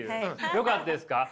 よかったです。